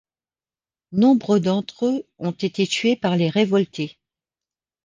Nombre d'entre eux ont été tués par les révoltés.